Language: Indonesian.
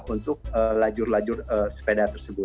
untuk lajur lajur sepeda